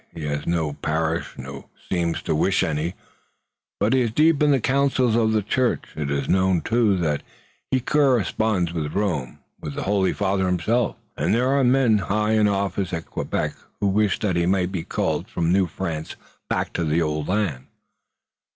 He has no parish, nor seems to wish any, but he is deep in the councils of the Church. It is known, too, that he corresponds with Rome, with the Holy Father himself, 'tis said, and there are men high in office at Quebec who wish that he might be called from New France back to the old land.